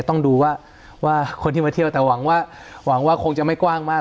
ต้องดูว่าคนที่มาเที่ยวแต่หวังว่าหวังว่าคงจะไม่กว้างมาก